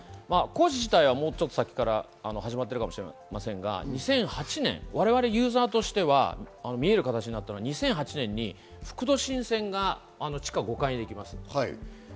今回の大工事は工事自体はもうちょっと先から始まっているかもしれませんが、２００８年、ユーザーとしては見える形になったのは２００８年に副都心線が地下５階にできました。